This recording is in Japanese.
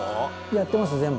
やってます全部。